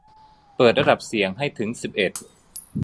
เปิดระดับเสียงให้ถึงสิบเอ็ด